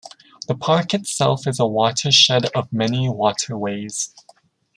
The park itself is a watershed of many waterways.